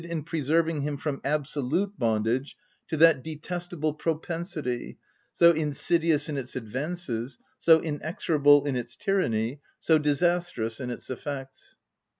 \ 197 in preserving him from absolute bondage to that detestable propensity, so insidious in its advances, so inexorable in its tyranny, so dis astrous in its effects.